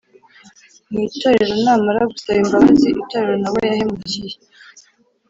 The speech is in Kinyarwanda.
mu itorero namara gusaba imbabazi itorero n'abo yahemukiye